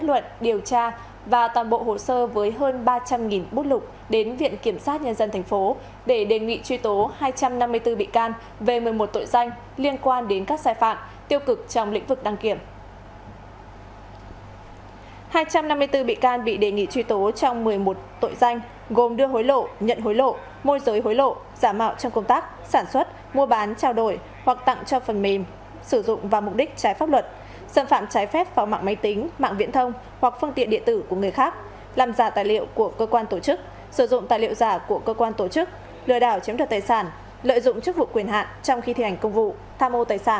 gồm đưa hối lộ nhận hối lộ môi giới hối lộ giả mạo trong công tác sản xuất mua bán trao đổi hoặc tặng cho phần mềm sử dụng và mục đích trái pháp luật xâm phạm trái phép vào mạng máy tính mạng viễn thông hoặc phương tiện địa tử của người khác làm giả tài liệu của cơ quan tổ chức sử dụng tài liệu giả của cơ quan tổ chức lừa đảo chiếm được tài sản lợi dụng chức vụ quyền hạn trong khi thi hành công vụ tha mô tài sản